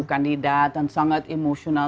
kandidat dan sangat emosional